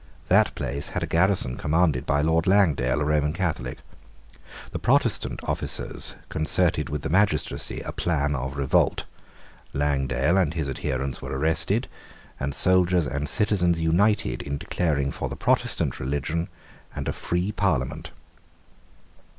That place had a garrison commanded by Lord Langdale, a Roman Catholic. The Protestant officers concerted with the magistracy a plan of revolt: Langdale and his adherents were arrested; and soldiers and citizens united in declaring for the Protestant religion and a free Parliament.